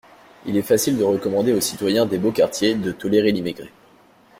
Il est facile de recommander au citoyen des beaux quartiers de tolérer l'immigré